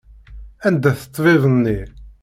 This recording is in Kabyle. Anda-t ṭṭbib-nni?